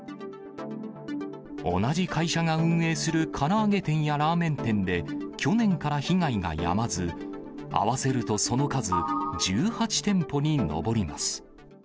同じ会社が運営するから揚げ店やラーメン店で、去年から被害がやまず、合わせるとその数１８店舗に上ります。